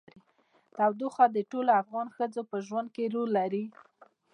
تودوخه د ټولو افغان ښځو په ژوند کې رول لري.